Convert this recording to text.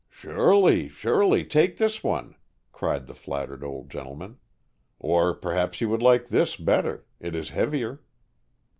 "Surely, surely. Take this one," cried the flattered old gentleman. "Or perhaps you would like this better? It is heavier."